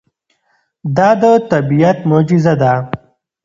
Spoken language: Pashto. دا د طبیعت معجزه ده.